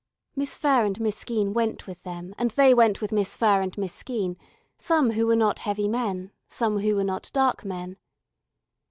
Miss Furr and Miss Skeene went with them and they went with Miss Furr and Miss Skeene, some who were not heavy men, some who were not dark men.